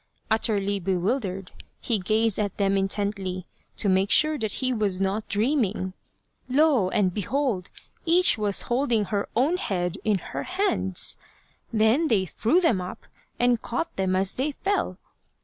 Utterly bewildered, he gazed at them intently to make sure that he was not dream ing. Lo ! and behold ! each was holding her own head in her hands. They then threw them up and caught them as they fell.